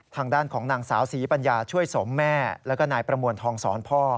ทางด้านของนางสาวศรีปัญญาช่วยสมแม่แล้วก็นายประมวลทองสอนพ่อ